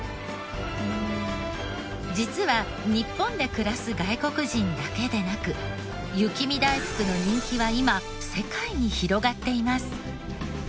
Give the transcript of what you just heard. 実は日本で暮らす外国人だけでなく雪見だいふくの人気は今世界に広がっています。